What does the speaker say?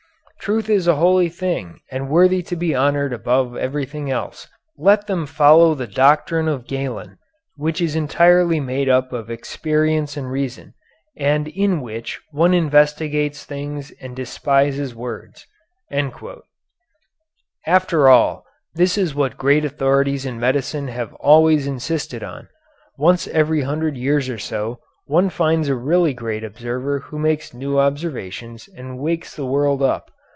Truth is a holy thing and worthy to be honored above everything else. Let them follow the doctrine of Galen, which is entirely made up of experience and reason, and in which one investigates things and despises words." After all, this is what great authorities in medicine have always insisted on. Once every hundred years or so one finds a really great observer who makes new observations and wakes the world up.